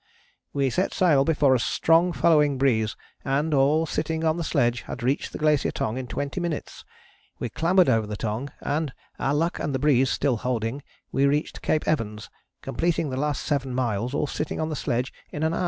"We set sail before a strong following breeze and, all sitting on the sledge, had reached the Glacier Tongue in twenty minutes. We clambered over the Tongue, and, our luck and the breeze still holding, we reached Cape Evans, completing the last seven miles, all sitting on the sledge, in an hour."